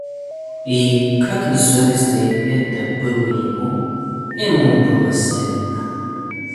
И, как ни совестно это было ему, ему было завидно.